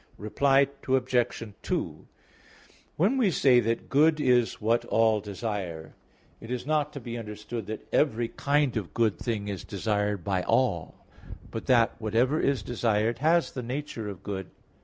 Reply Obj. 2: When we say that good is what all desire, it is not to be understood that every kind of good thing is desired by all; but that whatever is desired has the nature of good.